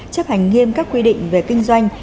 chấp hành nghiêm các quy định về kinh doanh